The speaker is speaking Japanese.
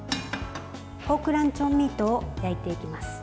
ポークランチョンミートを焼いていきます。